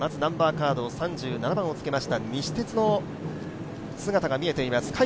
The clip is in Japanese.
まず３７番をつけました西鉄の姿が見えています。